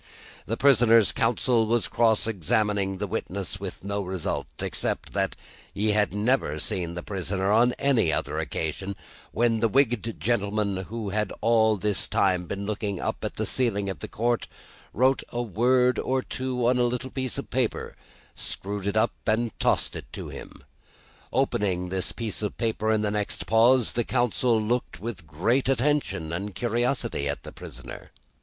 The prisoner's counsel was cross examining this witness with no result, except that he had never seen the prisoner on any other occasion, when the wigged gentleman who had all this time been looking at the ceiling of the court, wrote a word or two on a little piece of paper, screwed it up, and tossed it to him. Opening this piece of paper in the next pause, the counsel looked with great attention and curiosity at the prisoner.